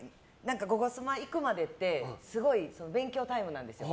「ゴゴスマ」行くまでってすごい勉強タイムなんですよ。